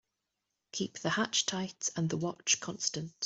Keep the hatch tight and the watch constant.